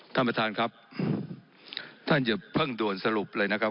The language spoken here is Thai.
ท่านประธานครับท่านอย่าเพิ่งด่วนสรุปเลยนะครับ